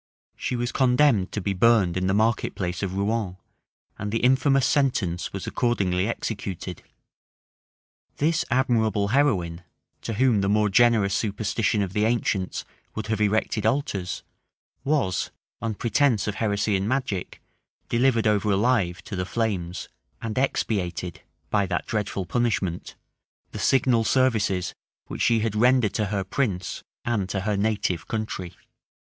She was condemned to be burned in the market place of Rouen; and the infamous sentence was accordingly executed. This admirable heroine, to whom the more generous superstition of the ancients would have erected altars, was, on pretence of heresy and magic, delivered over alive to the flames, and expiated, by that dreadful punishment, the signal services which she had rendered to her prince and to her native country.